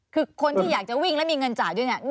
คือคนที่อยากจะวิ่งแล้วมีเงินจ่ายด้วยเนี่ย